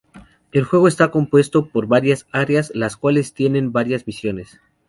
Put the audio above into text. El juego está compuesto por varias áreas, las cuales tienen varias misiones.